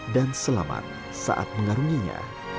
dan selamat saat mengarunginya